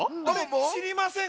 しりませんか？